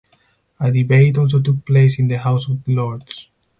A debate also took place in the House of Lords.